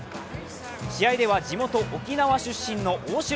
試合では地元・沖縄出身の大城。